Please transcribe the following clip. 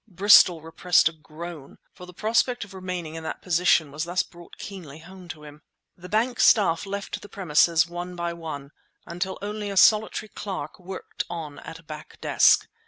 Bristol repressed a groan, for the prospect of remaining in that position was thus brought keenly home to him. The bank staff left the premises one by one until only a solitary clerk worked on at a back desk.